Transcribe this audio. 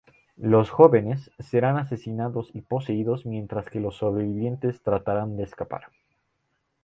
Los jóvenes serán asesinados y poseídos mientras que los sobrevivientes tratarán de escapar.